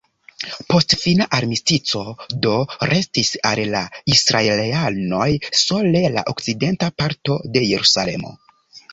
Post fina armistico do restis al la israelanoj sole la okcidenta parto de Jerusalemo.